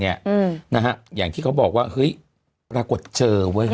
อย่างที่เขาบอกว่าปรากฏเจอ